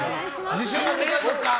自信はございますか？